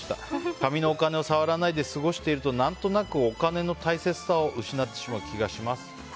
紙のお金を触らないで過ごしていると何となくお金の大切さを失ってしまう気がします。